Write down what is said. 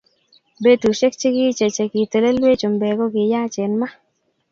Betusiek chigiche cha ki telelwech chumbek ko kiyachen ma!